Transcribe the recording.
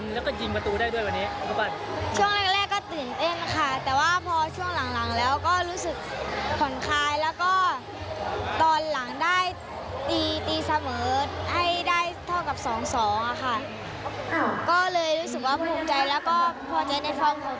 แล้วก็พอเจอในครองของตัวเองค่ะวันนี้